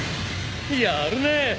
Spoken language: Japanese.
やるね。